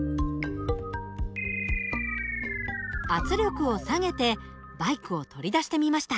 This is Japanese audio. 圧力を下げてバイクを取り出してみました。